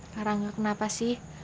karangga kenapa sih